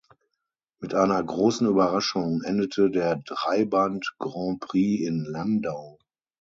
Mit einer großen Überraschung endete der Dreiband Grand Prix in Landau.